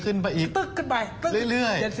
ไปอีกตึ๊กขึ้นไปปึ๊กเรื่อย